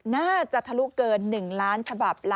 น่าจะทะลุเกิน๑ล้านฉบับละ